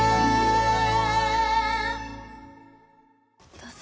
どうぞ。